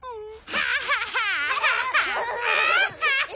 ハハハハハ。